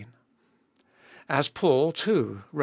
As Paul, too (Rom.